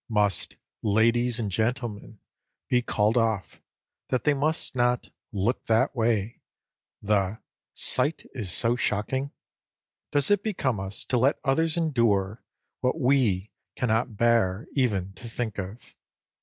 Must "ladies and gentlemen" be called off, that they may not "look that way," the "sight is so shocking"? Does it become us to let others endure, what we cannot bear even to think of?